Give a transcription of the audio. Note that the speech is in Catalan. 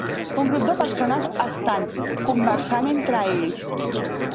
Un grup de persones estan conversant entre ells.